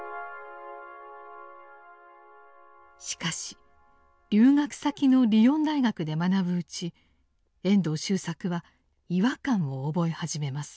しかし留学先のリヨン大学で学ぶうち遠藤周作は違和感を覚え始めます。